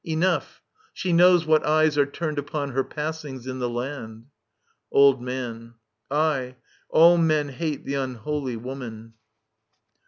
Enough I She knows what eyes are turned upon Her passings in the land ! Old Man. Aye, all men hate The unholy woman.